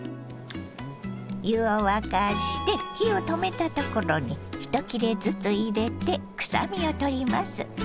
湯を沸かして火を止めたところに１切れずつ入れてくさみをとります。